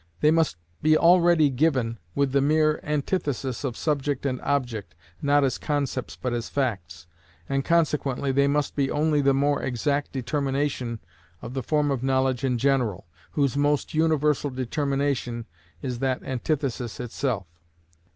They must be already given with the mere antithesis of subject and object (not as concepts but as facts), and consequently they must be only the more exact determination of the form of knowledge in general, whose most universal determination is that antithesis itself.